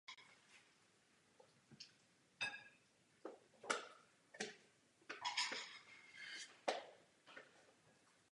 Leč existuje něco, na co bychom měli dát pozor.